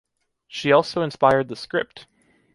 She also inspired the script.